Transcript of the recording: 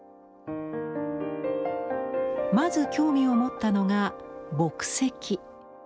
まず興味を持ったのが墨跡。